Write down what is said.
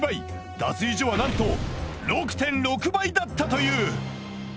脱衣所はなんと６．６倍だったという。